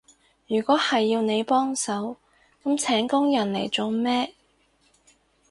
如果係要你幫手，噉請工人嚟做咩？